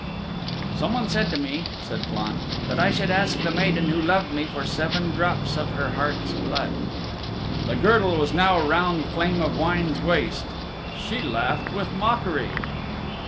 "Someone said to me," said Flann, "that I should ask the maiden who loved me for seven drops of her heart's blood." The girdle was now round Flame of Wine's waist. She laughed with mockery.